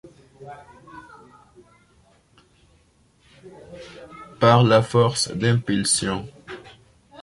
Par la force d’impulsion.